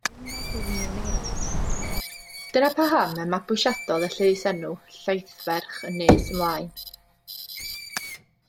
Dyna paham y mabwysiadodd y llysenw Llaethferch yn nes ymlaen.